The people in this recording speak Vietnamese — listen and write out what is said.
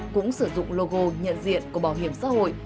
cũng sử dụng logo nhận diện của bảo hiểm xã hội